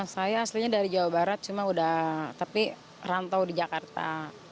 saya aslinya dari jawa barat tapi rantau di jakarta